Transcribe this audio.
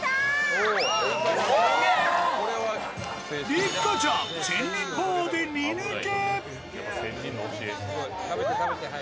六花ちゃん、仙人パワーで２抜け。